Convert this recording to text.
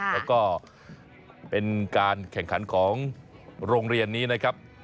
แล้วก็เป็นการแข่งขันของโรงเรียนนี้นะครับ